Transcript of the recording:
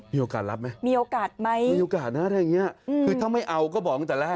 มีโอกาสรับไหมมีโอกาสมั้ยคือถ้าไม่เอาก็บอกตอนแรก